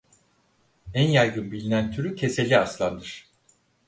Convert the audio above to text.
En yaygın bilinen türü keseli aslandır.